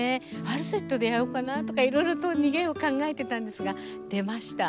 ファルセットでやろうかなとかいろいろと逃げを考えてたんですが出ました。